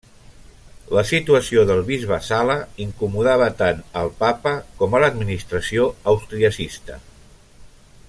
La situació del bisbe Sala incomodava tant al papa com a l'administració austriacista.